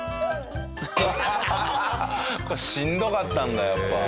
これしんどかったんだやっぱ。